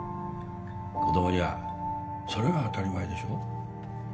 子供にはそれが当たり前でしょ？